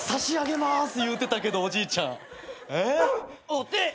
お手。